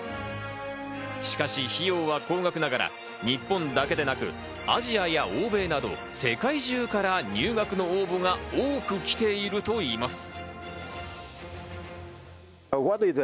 しかし、費用は高額ながら日本だけでなくアジアや欧米など世界中から入学の応募が多く来ているといいます。